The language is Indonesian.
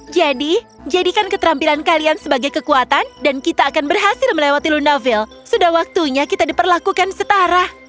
jadi jadikan keterampilan kalian sebagai kekuatan dan kita akan berhasil melewati lunaville sudah waktunya kita diperlakukan setara